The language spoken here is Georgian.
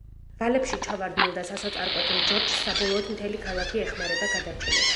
ვალებში ჩავარდნილ და სასოწარკვეთილ ჯორჯს საბოლოოდ მთელი ქალაქი ეხმარება გადარჩენაში.